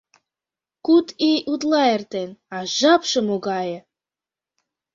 Куд ий утла эртен, а жапше могае!